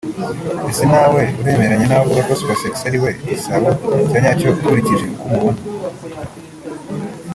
Ese nawe uremeranya n’abavuga ko Super Sexy ariwe gisabo cya nyacyo ukurikije uko umubona